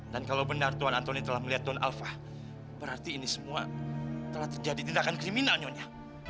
dan kalau benar tuan antoni telah melihat tuan alva berarti ini semua telah terjadi tindakan kriminal nyonya